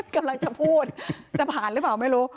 กำลังจะพูดจะผ่านหรือเปล่าไม่รู้